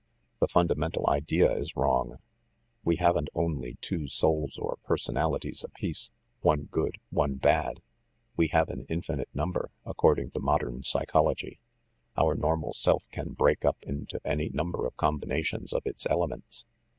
The fundamental idea is wrong. We haven't only two souls or personalities apiece, one good, one bad ; we have an infinite number, according to modern psychol ogy. Our normal self can break up into any number of combinations of its elements.